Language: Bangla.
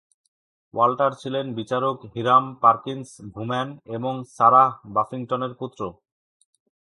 ওয়াল্টার ছিলেন বিচারক হিরাম পারকিনস ভুম্যান এবং সারাহ বাফিংটনের পুত্র।